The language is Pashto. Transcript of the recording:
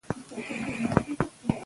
د واک محدودول عدالت ساتي